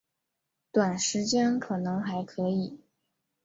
短时间可能还可以